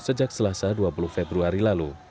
sejak selasa dua puluh februari lalu